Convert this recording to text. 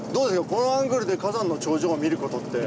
このアングルで火山の頂上を見る事って。